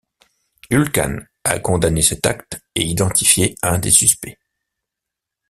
Ulcan a condamné cet acte et identifié un des suspects.